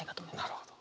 なるほど。